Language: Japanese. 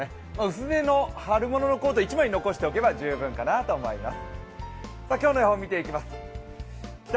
薄手の春物のコート１枚残しておけば十分かなと思います。